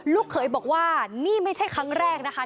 เขยบอกว่านี่ไม่ใช่ครั้งแรกนะคะ